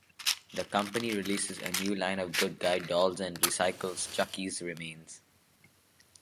The company releases a new line of Good Guy dolls and recycles Chucky's remains.